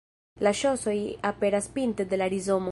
La ŝosoj aperas pinte de la rizomo.